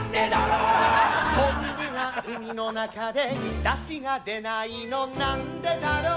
「昆布が海の中でだしが出ないのなんでだろう」